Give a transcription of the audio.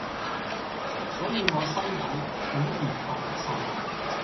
所以我心底竟然覺得受落